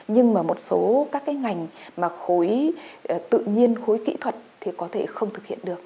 nhưng mà một số các cái ngành mà khối tự nhiên khối kỹ thuật thì có thể không thực hiện được